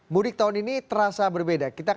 mudik tahun ini terasa berbeda